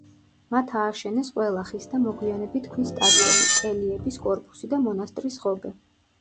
მათ ააშენეს ყველა ხის და მოგვიანებით ქვის ტაძრები, კელიების კორპუსი და მონასტრის ღობე.